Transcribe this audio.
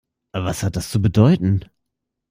Was hat das zu bedeuten?